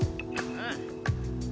うん。